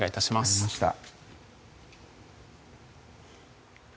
分かりました